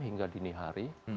hingga dini hari